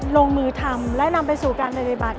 ลงมือทำและนำไปสู่การปฏิบัติ